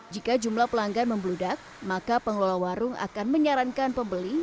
jika jumlah pelanggan membludak maka pengelola warung akan menyarankan pembeli